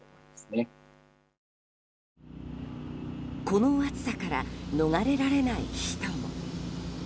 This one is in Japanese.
この暑さから逃れられない人も。